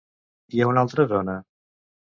I a una altra zona?